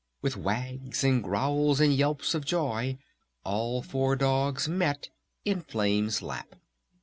With wags and growls and yelps of joy all four dogs met in Flame's lap.